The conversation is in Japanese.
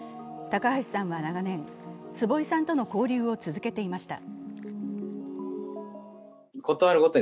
高橋さんは長年、坪井さんとの交流を続けていました。